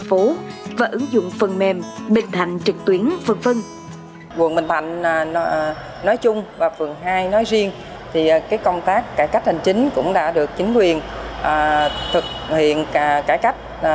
quận bình thạnh nói chung và phường hai nói riêng công tác cải cách hành chính cũng đã được chính quyền thực hiện cải cách